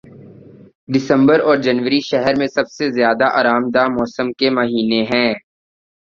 دسمبر اور جنوری شہر میں سب سے زیادہ آرام دہ موسم کے مہینے ہیں